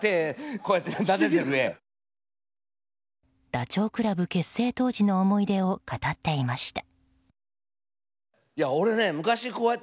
ダチョウ倶楽部結成当時の思い出を語っていました。